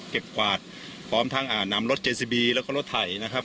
กวาดพร้อมทั้งนำรถเจซีบีแล้วก็รถไถนะครับ